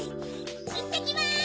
いってきます！